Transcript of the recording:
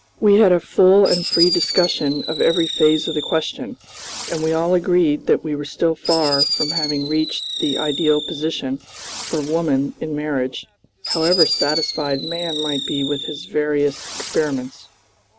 We had a full and free discussion of every phase of the question, and we all agreed that we were still far from having reached the ideal position for woman in marriage, however satisfied man might be with his various experiments.